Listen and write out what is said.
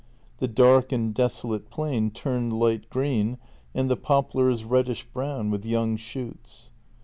The dark and desolate plain turned light green and the poplars reddish brown with young shoots.